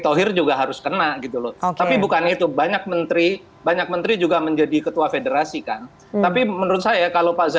thohir juga harus kena gitu loh tapi bukan itu banyak menteri banyak menteri juga menjadi ketua